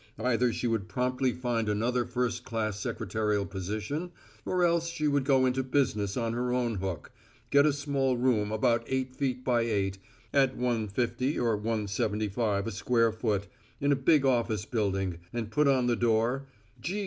Either she would promptly find another first class secretarial position or else she would go into business on her own hook, get a small room about eight feet by eight, at $1.50 or $1.75 a square foot, in a big office building and put on the door G.